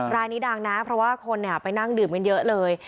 ร้านนี้ดังนะเพราะว่าคนไปนั่งดื่มกันเยอะเลย